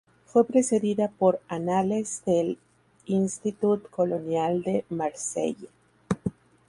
Fue precedida por "Annales de l'Institut Colonial de Marseille".